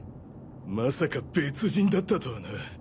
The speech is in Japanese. まさか別人だったとはな。